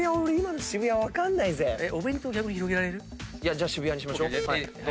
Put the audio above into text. じゃあ渋谷にしましょ。